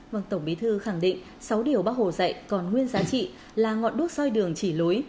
vâng tổng bí thư khẳng định sáu điều bác hồ dạy còn nguyên giá trị là ngọn đuối soi đường chỉ lối